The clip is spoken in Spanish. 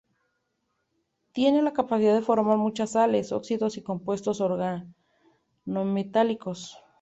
Tiene la capacidad de formar muchas sales, óxidos y compuestos organometálicos.